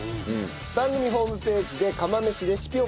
番組ホームページで釜飯レシピを募集しております。